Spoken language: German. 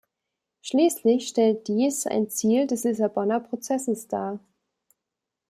Schließlich stellt dies ein Ziel des Lissabonner Prozesses dar.